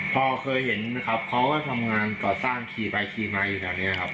พอเคยเห็นนะครับเขาก็ทำงานก่อสร้างขี่ไปขี่มาอยู่แบบนี้ครับ